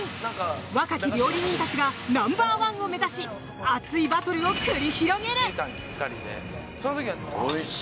若き料理人たちがナンバーワンを目指し熱いバトルを繰り広げる。